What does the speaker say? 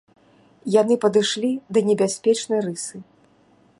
Яны падышлі да небяспечнай рысы.